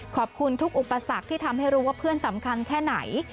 ขอบคุณทุกอุปสรรคที่ทำให้รู้ว่าเพื่อนสำคัญแค่ไหน